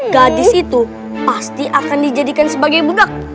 gadis itu pasti akan dijadikan sebagai budak